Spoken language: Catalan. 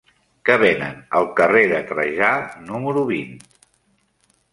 Què venen al carrer de Trajà número vint?